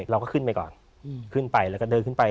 เราก็ขึ้นไปก่อนขึ้นไปแล้วก็เดินขึ้นไป